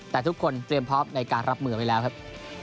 แต่ทุกคนเตรียมพร้อมในการรับมือไว้แล้วครับ